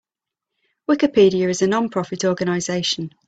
Wikipedia is a non-profit organization.